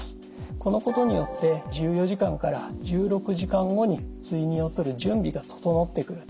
このことによって１４時間から１６時間後に睡眠をとる準備が整ってくると。